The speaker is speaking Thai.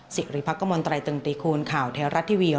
สิริพักกมลตรายตึงตีคูณข่าวไทยรัฐทีวี